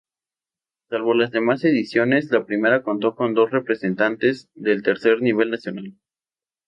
Salvo las demás ediciones, la primera contó con dos representantes del tercer nivel nacional.